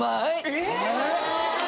えっ！